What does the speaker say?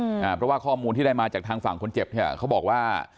อ่าเพราะว่าข้อมูลที่ได้มาจากทางฝั่งคนเจ็บเนี้ยเขาบอกว่า